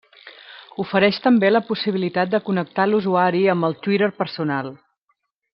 Ofereix també la possibilitat de connectar l'usuari amb el Twitter personal.